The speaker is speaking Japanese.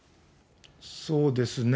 そうですね。